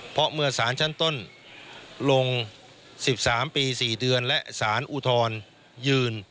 เพราะเมื่อสารชั้นต้นลง๑๓ปี๔เดือนและสารอุทธรยืน